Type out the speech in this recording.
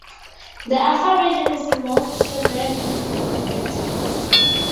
The Afar Region is most severely affected.